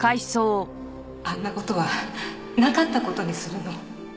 あんな事はなかった事にするの。